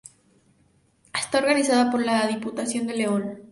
Está organizada por la Diputación de León.